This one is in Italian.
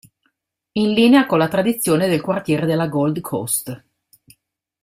In linea con la tradizione del quartiere della Gold Coast.